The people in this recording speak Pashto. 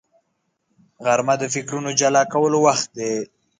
غرمه د فکرونو جلا کولو وخت دی